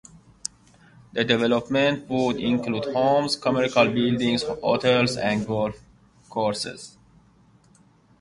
The development would include homes, commercial buildings, hotels, and golf courses.